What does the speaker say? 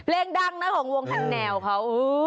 เพลงดังนะของวงทันแนวเขา